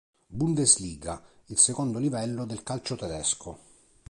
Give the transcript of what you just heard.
Bundesliga, il secondo livello del calcio tedesco.